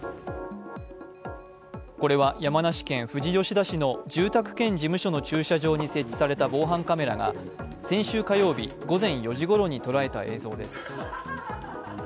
これは山梨県富士吉田市の住宅兼事務所に設置された防犯カメラが先週火曜日午前４時ごろに捉えた映像です。